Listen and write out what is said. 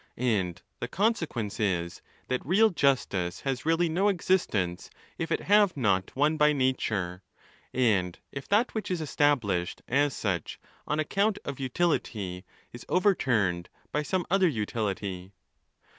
And the conse quence is, that real justice has really no existence if it have not one by nature, and if that which is established as such on account of utility is overturned by some other utility.